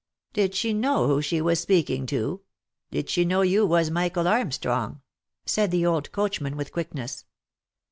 " Did she know who she was speaking to ? Did she know you was Michael Armstrong?" said the old coachman with quickness.